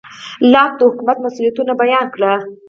لاک د حکومت مسوولیتونه بیان کړل.